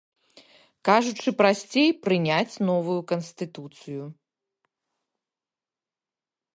Кажучы прасцей, прыняць новую канстытуцыю.